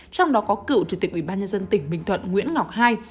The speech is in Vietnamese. trong đó có cựu chủ tịch ubnd tỉnh bình thuận nguyễn ngọc hai